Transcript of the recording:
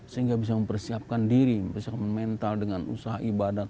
sehingga bisa mempersiapkan diri bisa memental dengan usaha ibadah